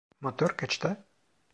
Motor kaçta?